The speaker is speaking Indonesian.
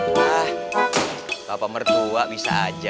wah bapak mertua bisa aja